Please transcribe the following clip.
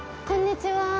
こんにちは